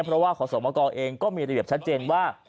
เพราะว่าขอสมกรเองก็มีระเบียบชัดเจนว่า